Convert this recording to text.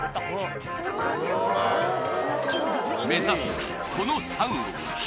目指すはこのサンゴの下